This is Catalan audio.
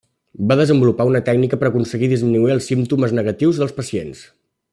Va desenvolupar una tècnica per aconseguir disminuir els símptomes negatius dels pacients.